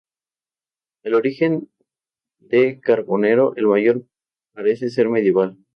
El origen de Carbonero el Mayor parece ser medieval.